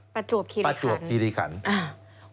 ประจวบคิริขันประจวบคิริขันอ่า